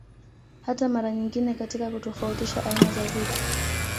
Hata mara nyingine katika kutofautisha aina za vitu